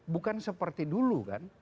bukan seperti dulu kan